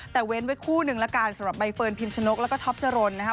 แต่เว้นไว้คู่หนึ่งละกันสำหรับใบเฟิร์นพิมชนกแล้วก็ท็อปจรนนะครับ